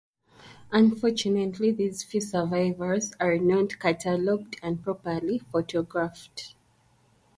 Unfortunately these few survivors are not cataloged and properly photographed.